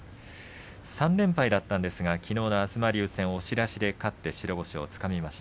３連敗だったんですがきのうの東龍戦勝って白星をつかんでいます。